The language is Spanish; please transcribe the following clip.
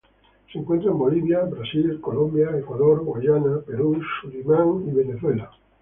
Se encuentra en Bolivia, Brasil, Colombia, Ecuador, Guayana, Perú Surinam y Venezuela